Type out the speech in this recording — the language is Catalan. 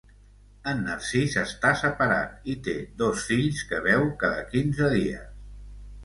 En Narcís està separat i té dos fills que veu cada quinze dies.